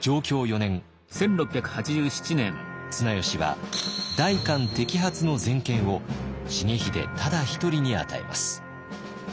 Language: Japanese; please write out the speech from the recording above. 綱吉は代官摘発の全権を重秀ただ一人に与えます。